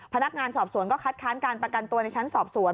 พนักงานสอบสวนก็คัดค้านการประกันตัวในชั้นสอบสวน